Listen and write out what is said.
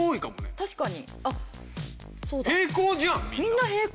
確かに。